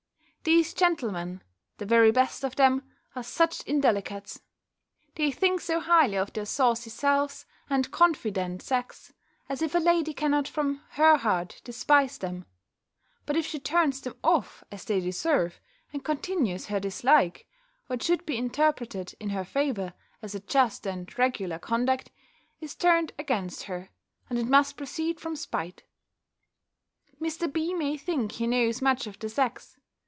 These gentlemen, the very best of them, are such indelicates! They think so highly of their saucy selves, and confident sex, as if a lady cannot from her heart despise them; but if she turns them off, as they deserve, and continues her dislike, what should be interpreted in her favour, as a just and regular conduct, is turned against her, and it must proceed from spite. Mr. B. may think he knows much of the sex.